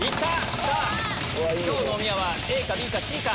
今日のおみやはＡかＢかＣか。